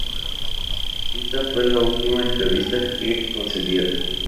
Esta fue la última entrevista que concedieron.